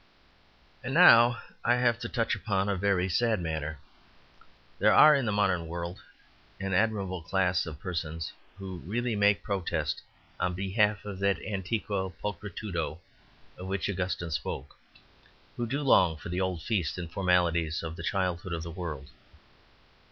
And now I have to touch upon a very sad matter. There are in the modern world an admirable class of persons who really make protest on behalf of that antiqua pulchritudo of which Augustine spoke, who do long for the old feasts and formalities of the childhood of the world.